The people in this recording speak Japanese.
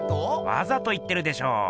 わざと言ってるでしょ。